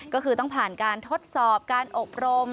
ก็คือต้องผ่านการทดสอบการอบรม